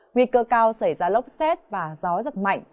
nguy cơ cao xảy ra lốc xét và gió giật mạnh